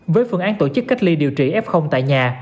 với phương án tổ chức cách ly điều trị f tại nhà